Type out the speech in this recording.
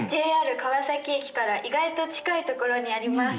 ＪＲ川崎駅から意外と近いところにあります